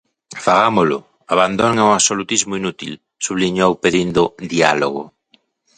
"Fagámolo, abandonen o absolutismo inútil", subliñou, pedindo "diálogo".